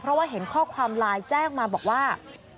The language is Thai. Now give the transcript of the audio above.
เพราะว่าเห็นข้อความไลน์แจ้งมาบอกว่า